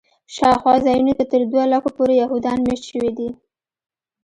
شاوخوا ځایونو کې تر دوه لکو پورې یهودان میشت شوي دي.